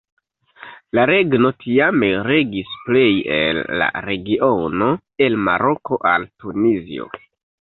La regno tiame regis plej el la regiono el Maroko al Tunizio.